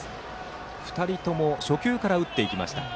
２人とも初球から打ってきました。